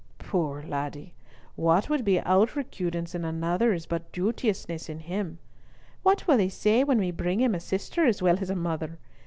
Poor laddie, what would be outrecuidance in another is but duteousness in him. What will he say when we bring him a sister as well as a mother?